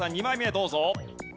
２枚目どうぞ。